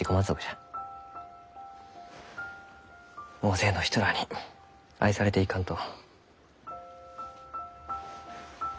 大勢の人らあに愛されていかんと。